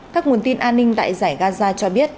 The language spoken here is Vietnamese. các nguồn tin an ninh tại giải gaza cho biết